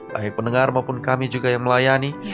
baik pendengar maupun kami juga yang melayani